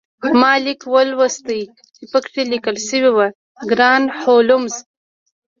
ما لیک ولوست چې پکې لیکل شوي وو ګران هولمز